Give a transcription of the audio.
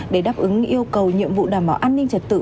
để đáp ứng yêu cầu nhiệm vụ đảm bảo an ninh trật tự